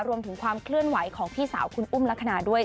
รวมถึงความเคลื่อนไหวของพี่สาวคุณอุ้มลักษณะด้วย